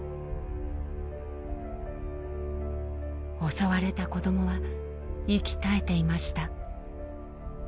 襲われた子どもは息絶えていました。